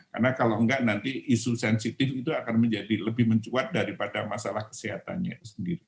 karena kalau enggak nanti isu sensitif itu akan menjadi lebih mencuat daripada masalah kesehatannya itu sendiri